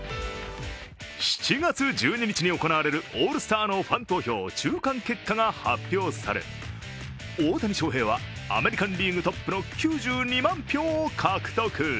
７月１２日に行われるオールスターのファン投票、中間結果が発表され、大谷翔平はアメリカン・リーグトップの９２万票を獲得。